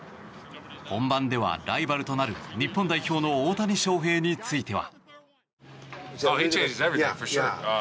本番ではライバルとなる日本代表の大谷翔平については。